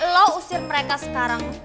lo usir mereka sekarang